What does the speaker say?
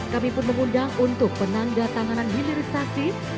kami pun mengundang untuk penanda tanganan hilirisasi